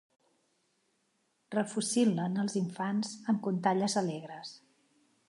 Refocil·len els infants amb contalles alegres.